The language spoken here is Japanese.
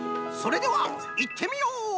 それではいってみよう！